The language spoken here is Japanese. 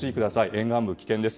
沿岸部、危険です。